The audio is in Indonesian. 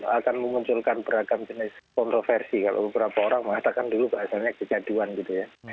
saya kira itu akan memunculkan beragam jenis kontroversi kalau beberapa orang mengatakan bahasanya kejaduan gitu ya